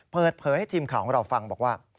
เปิดเผยให้ทีมข่าวของเราฟังบอกว่า